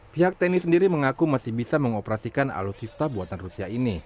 pihak tni sendiri mengaku masih bisa mengoperasikan alutsista buatan rusia ini